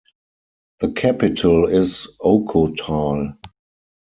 The capital is Ocotal.